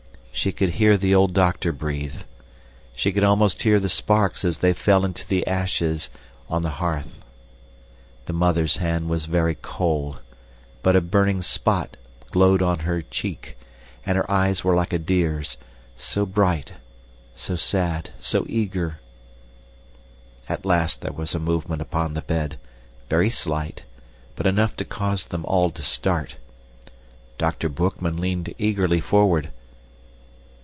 She could hear the old doctor breathe. She could almost hear the sparks as they fell into the ashes on the hearth. The mother's hand was very cold, but a burning spot glowed on her cheek, and her eyes were like a deer's so bright, so sad, so eager. At last there was a movement upon the bed, very slight, but enough to cause them all to start. Dr. Boekman leaned eagerly forward.